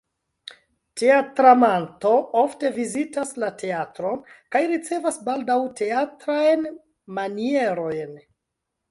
Teatramanto ofte vizitas la teatron kaj ricevas baldaŭ teatrajn manierojn.